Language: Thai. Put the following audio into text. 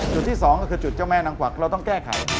จุดที่สองก็คือจุดเจ้าแม่นางกวักเราต้องแก้ไข